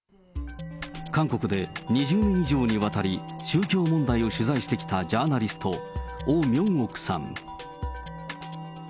韓国で２０年以上にわたり、宗教問題を取材してきたジャーナリスト、オ・ミョンオクさん。